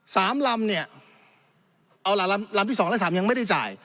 สามลำเนี่ยเอาล่ะลำลำที่สองและสามยังไม่ได้จ่าย